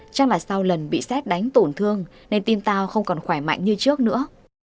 chắc là sau lần bị xét đánh tổn thương nên tim tao không còn khỏe mạnh như trước nữa